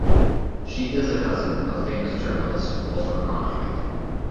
She is a cousin of famous journalist Walter Cronkite.